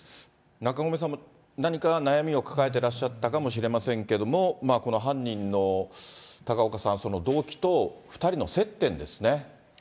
中込さんも何か悩みを抱えてらっしゃったかもしれませんけれども、この犯人の、高岡さん、動機と、２人の接点ですね。